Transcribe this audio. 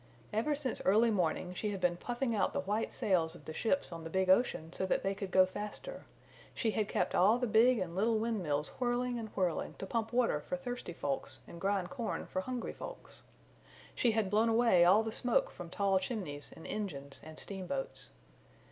Ever since early morning she had been puffing out the white sales of the ships on the big ocean so that they could go faster; she had kept all the big and little wind mills whirling and whirling to pump water for thirsty folks and grind corn for hungry folks; she had blown away all the smoke from tall chimneys and engines and steamboats.